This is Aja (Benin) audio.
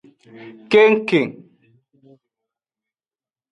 Kengkeng.